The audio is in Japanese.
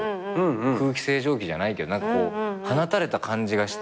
空気清浄機じゃないけどこう放たれた感じがして何だろう？